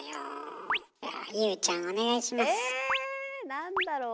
何だろう？